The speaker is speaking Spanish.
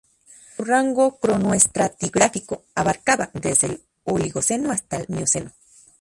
Su rango cronoestratigráfico abarcaba desde el Oligoceno hasta el Mioceno.